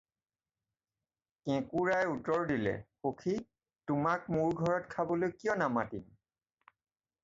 "কেঁকোৰাই উত্তৰ দিলে- "সখি তোমাক মোৰ ঘৰত খাবলৈ কিয় নামাতিম?"